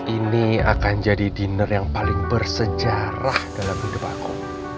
ini akan jadi dinner yang paling bersejarah dalam hidup aku